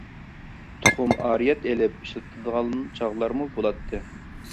تۇخۇم ئارىيەت ئېلىپ، ئىشلىتىدىغان چاغلارمۇ بولاتتى.